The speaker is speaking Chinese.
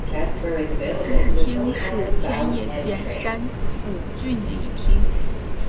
芝山町是千叶县山武郡的一町。